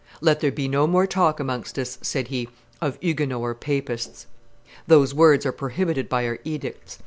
"Let there be no more talk amongst us," said he, "of Huguenots or Papists; those words are prohibited by our edicts.